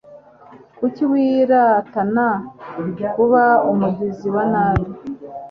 Kuki wiratana kuba umugizi wa nabi